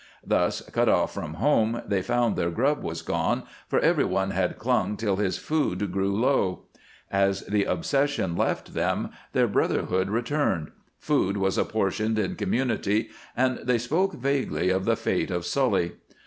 Thus, cut off from home, they found their grub was gone, for every one had clung till his food grew low. As the obsession left them their brotherhood returned food was apportioned in community, and they spoke vaguely of the fate of Sully.